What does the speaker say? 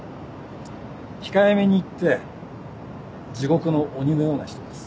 控えめに言って地獄の鬼のような人です。